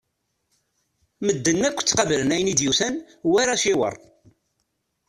Medden akk ttaqabalen ayen i d-yusan war aciwer.